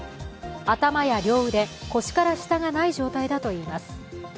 頭や両腕、腰から下がない状態だといいます。